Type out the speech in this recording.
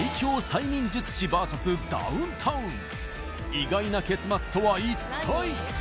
意外な結末とは一体？